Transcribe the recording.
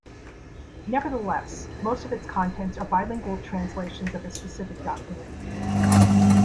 Nevertheless, most of its contents are bilingual translations of a specific document.